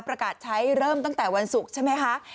ประกาศใช้เริ่มตั้งแต่วันศุกร์ใช่ไหมคะ